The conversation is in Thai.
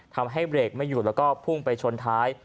ทำให้เบรกไม่หยุดแล้วก็พุ่งไปชนท้าย